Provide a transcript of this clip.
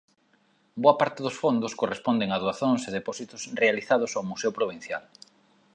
Boa parte dos fondos corresponden a doazóns e depósitos realizados ao Museo Provincial.